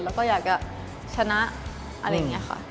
แล้วก็อยากจะชนะอะไรอย่างนี้ค่ะ